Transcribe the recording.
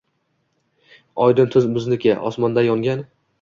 Oydin tun bizniki. Osmonda yongan